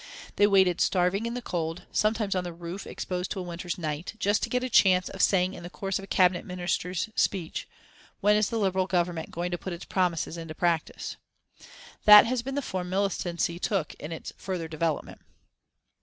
They waited starving in the cold, sometimes on the roof exposed to a winter's night, just to get a chance of saying in the course of a Cabinet Minister's speech, 'When is the Liberal Government going to put its promises into practice?' That has been the form militancy took in its further development."